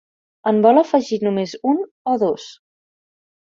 En vol afegir només un o dos?